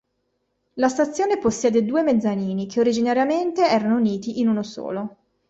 La stazione possiede due mezzanini, che originariamente erano uniti in uno solo.